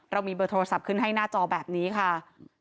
เรามีเบอร์โทรศัพท์ขึ้นให้หน้าจอแบบนี้ค่ะ